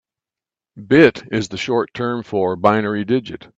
Bit is the short term for binary digit.